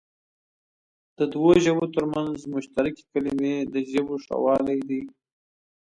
د دوو ژبو تر منځ مشترکې کلمې د ژبو ښهوالی دئ.